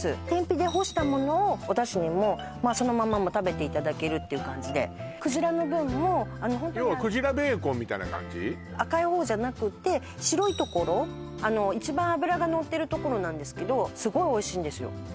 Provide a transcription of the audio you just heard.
天日で干したものをお出汁にもまあそのままも食べていただけるっていう感じでクジラの分もホントに赤い方じゃなくて白いところ一番脂が乗ってるところなんですけどすごいおいしいんですよ